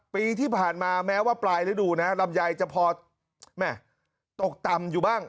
ปีที่ผ่านมาแม้ว่าปลายฤดูนะลำไยจะพอตกต่ำอยู่บ้าง